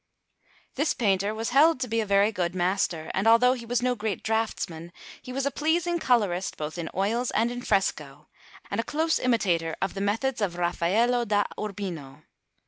This painter was held to be a very good master; and although he was no great draughtsman, he was a pleasing colourist both in oils and in fresco, and a close imitator of the methods of Raffaello da Urbino.